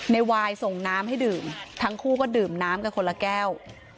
ในวายส่งน้ำให้ดื่มทั้งคู่ก็ดื่มน้ำกันคนละแก้ว